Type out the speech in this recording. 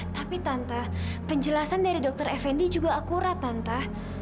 tapi tante penjelasan dari dokter effendy juga akurat tante